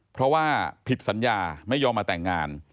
เพราะว่าผิดสัญญาไม่ยอมมาแต่งงาน